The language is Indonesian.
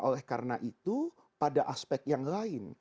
oleh karena itu pada aspek yang lain